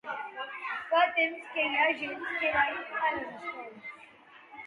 Fa temps que hi ha agents que van a les escoles?